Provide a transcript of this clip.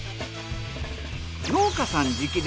農家さん直伝！